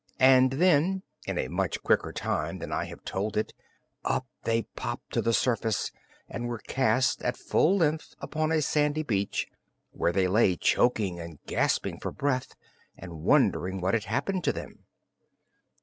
And then in much quicker time than I have told it up they popped to the surface and were cast at full length upon a sandy beach, where they lay choking and gasping for breath and wondering what had happened to them.